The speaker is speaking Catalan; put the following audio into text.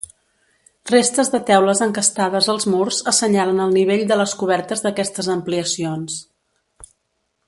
Restes de teules encastades als murs assenyalen el nivell de les cobertes d'aquestes ampliacions.